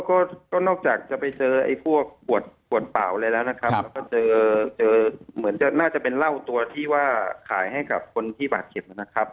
ก็นอกจากจะไปเจอไอ้พวกปวดป่าวอะไรแล้วนะครับก็เจอเหมือนจะน่าจะเป็นเล่าตัวที่ว่าขายให้กับคนที่หวัดเฉียบนะครับ